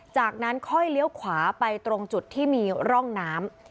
จากนั้นค่อยเลี้ยวขวาไปตรงจุดที่มีร่องน้ำ